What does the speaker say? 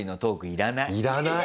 要らない。